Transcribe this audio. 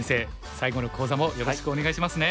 最後の講座もよろしくお願いしますね。